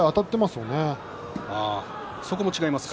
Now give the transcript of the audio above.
そこも違っていますか？